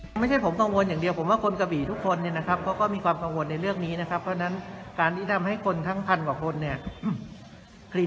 ไม่ใช่ผมกังวลอย่างเดียวผมว่าคนกระบี่ทุกคนเนี่ยนะครับเขาก็มีความกังวลในเรื่องนี้นะครับเพราะฉะนั้นการที่ทำให้คนทั้งพันกว่าคนเนี่ย